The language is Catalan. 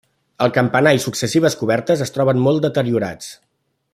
El campanar i successives cobertes es troben molt deteriorats.